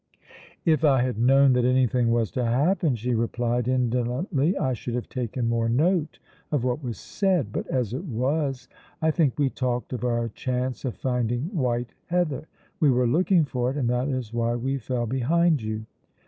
"If I had known that anything was to happen," she replied indolently, "I should have taken more note of what was said. But as it was, I think we talked of our chance of finding white heather. We were looking for it, and that is why we fell behind you."